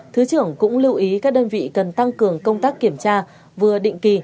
thứ trưởng cũng lưu ý các đơn vị cần tăng cường công tác kiểm tra vừa định kỳ